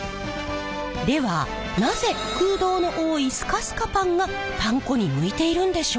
ではなぜ空洞の多いスカスカパンがパン粉に向いているんでしょう？